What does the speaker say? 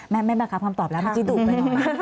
ไม่เป็นไรครับคำตอบแล้วไม่จี๊ดดูดเลย